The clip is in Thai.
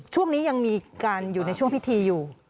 ช่วงนี้ยังมีการอยู่ในช่วงพิธีอยู่